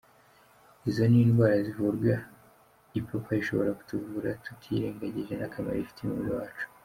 Izo ni indwara zivurwa ipapayi ishobora kutuvura tutirengagije n’akamaro ifitiye umubiri wacu.